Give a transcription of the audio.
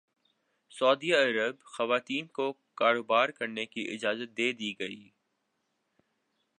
سعودی عرب خواتین کو کاروبار کرنے کی اجازت دے دی گئی